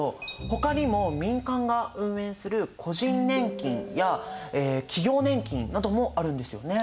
ほかにも民間が運営する個人年金や企業年金などもあるんですよね。